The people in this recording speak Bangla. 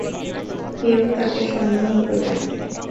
কেউ তোকে সন্দেহ করবে না।